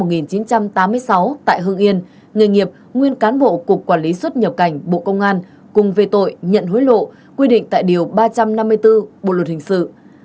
năm ông nguyễn tiến mạnh sinh năm một nghìn chín trăm tám mươi sáu tại hương yên nghề nghiệp nguyên cán bộ cục quản lý xuất nhập cảnh bộ công an cùng về tội nhận hối lộ quy định tại điều ba trăm năm mươi bốn bộ luật hình sự